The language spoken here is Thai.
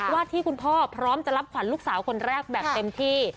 ที่คุณพ่อพร้อมจะรับขวัญลูกสาวคนแรกแบบเต็มที่